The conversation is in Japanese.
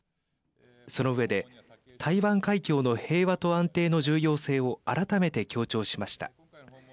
その上で台湾海峡の平和と安定の重要性を改めて強調しました。